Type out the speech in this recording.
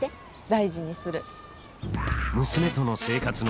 大事にする。